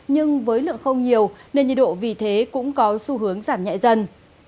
nhưng với lượng không nhiều nên nhiệt độ vì thế cũng có xu hướng giảm nhẹ dần